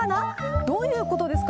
どういうことですか。